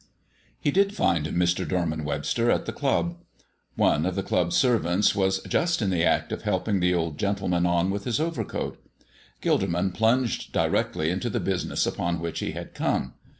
He did find Mr. Dorman Webster at the club. One of the club servants was just in the act of helping the old gentleman on with his overcoat. Gilderman plunged directly into the business upon which he had come.